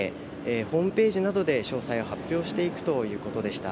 ホームページなどで詳細を発表していくということでした。